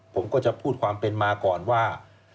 ผมก็จะพูดความเป็นมาก่อนว่า